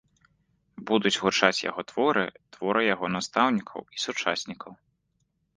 Будуць гучаць яго творы, творы яго настаўнікаў і сучаснікаў.